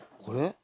これ？